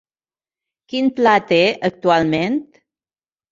Quin pla té actualment?